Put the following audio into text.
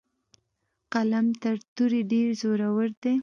قلم تر تورې ډیر زورور دی.